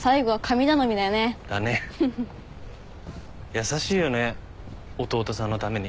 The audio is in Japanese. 優しいよね弟さんのために。